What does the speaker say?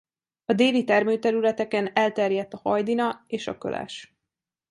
A déli termőterületeken elterjedt a hajdina és a köles.